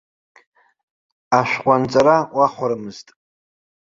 Ашәҟәы анҵара уахәарымызт!